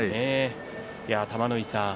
玉ノ井さん